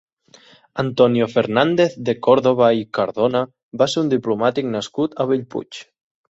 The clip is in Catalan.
Antonio Fernández de Còrdova i Cardona va ser un diplomàtic nascut a Bellpuig.